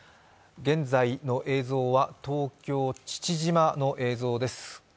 現在の映像は東京・父島の映像です。